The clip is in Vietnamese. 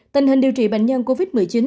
tình hình điều trị bệnh nhân covid một mươi chín